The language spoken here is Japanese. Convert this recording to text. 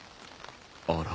あら？